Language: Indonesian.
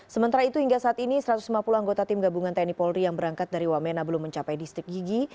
sementara itu hingga saat ini satu ratus lima puluh anggota tim gabungan tni polri yang berangkat dari wamena belum mencapai distrik gigi